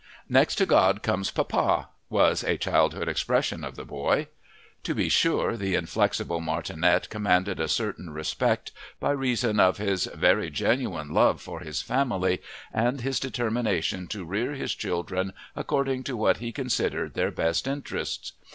"Next to God comes papa!" was a childhood expression of the boy. To be sure, the inflexible martinet commanded a certain respect by reason of his very genuine love for his family and his determination to rear his children according to what he considered their best interests.